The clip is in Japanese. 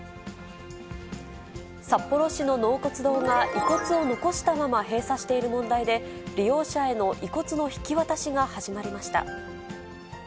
札幌市の納骨堂が、遺骨を残したまま閉鎖している問題で、利用者への遺骨の引き渡しが始まりました。